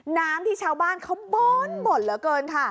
น้ำที่ชาวบ้านเขาบ่นเหลือเกินค่ะ